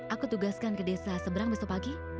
aku tugaskan ke desa seberang besok pagi